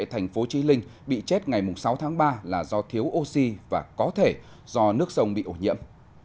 thành phố trí linh bị chết ngày sáu tháng ba là do thiếu oxy và có thể do nước sông bị ổ nhiễm